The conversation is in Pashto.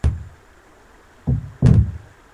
بادي انرژي د افغانستان په اوږده تاریخ کې ذکر شوی دی.